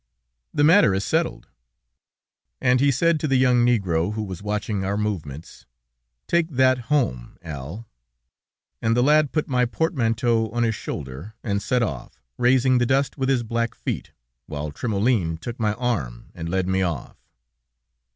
..." "The matter is settled." And he said to the young negro who was watching our movements: "Take that home, Al." And the lad put my portmanteau on his shoulder, and set off, raising the dust with his black feet, while Trémoulin took my arm and led me off.